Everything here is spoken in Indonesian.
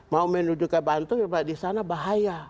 mau menuju ke bantul di sana bahaya